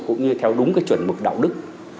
cũng như theo đúng cái chuẩn mực đạo đức